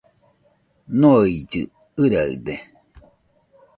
Noillɨɨ ɨraɨde